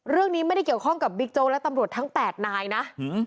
เรื่องนี้ไม่ได้เกี่ยวข้องกับบิ๊กโจ๊กและตำรวจทั้ง๘นายนะ